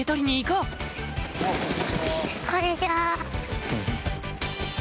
こんにちは。